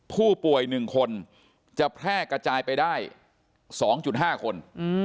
ผู้ป่วย๑คนจะแพร่กระจายไปได้๒๕คน